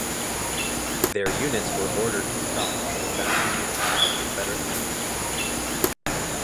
Their units were ordered to stop an advancing unit of Confederate troops.